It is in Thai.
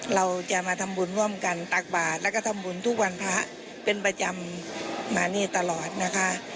เราจะมาทำบุญร่วมกันตักบาทแล้วก็ทำบุญทุกวันพระเป็นประจำมานี่ตลอดนะคะ